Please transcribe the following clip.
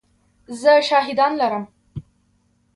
زه شاهدان لرم !